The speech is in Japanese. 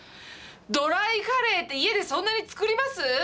ドライカレーって家でそんなに作ります？